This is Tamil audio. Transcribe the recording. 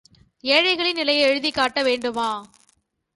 ஏழைகளின் நிலையை எழுதிக் காட்ட வேண்டுமா?